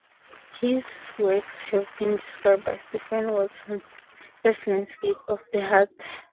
His works have been described by Stephen Watson as 'landscapes of the heart'.